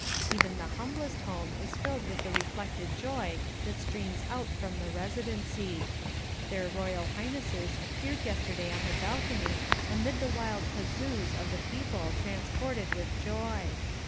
Even the humblest home is filled with the reflected joy that streams out from the Residency. Their Royal Highnesses appeared yesterday on the balcony amid the wild huzzoos of the people transported with joy.